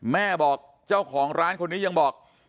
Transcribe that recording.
แม่บอกเจ้าของร้านคนนี้ยังบอก